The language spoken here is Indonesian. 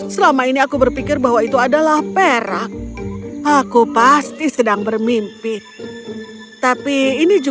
selama ini aku berpikir bahwa itu adalah perak aku pasti sedang bermimpi tapi ini